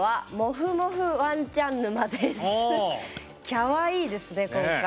きゃわいいですね今回。